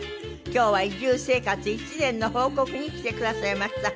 今日は移住生活１年の報告に来てくださいました。